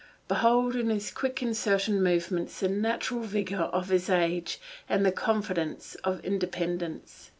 Behold in his quick and certain movements the natural vigour of his age and the confidence of independence.